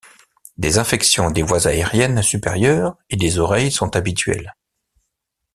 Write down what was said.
Des infections des voies aériennes supérieures et des oreilles sont habituelles.